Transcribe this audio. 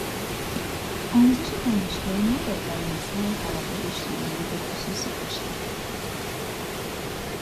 آموزش دانشگاهی نباید در انحصار طبقهی اجتماعی بخصوصی باشد.